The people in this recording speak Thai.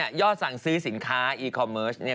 ยอดสั่งซื้อสินค้าอีคอมเมิร์ส